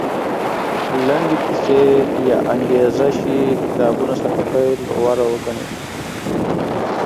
لنډې کیسې یا انګېزه شي کتابونو څخه پیل غوره وګڼي.